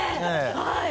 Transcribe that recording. はい。